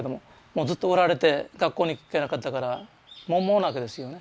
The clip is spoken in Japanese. ずっと売られて学校に行けなかったから文盲なわけですよね